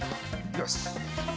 よし！